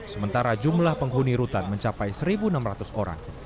sementara jumlah penghuni rutan mencapai satu enam ratus orang